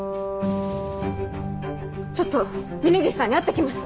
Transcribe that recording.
ちょっと峰岸さんに会って来ます。